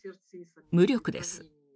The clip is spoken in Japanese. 無力です。